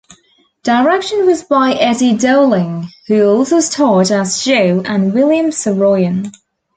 Direction was by Eddie Dowling, who also starred as Joe, and William Saroyan.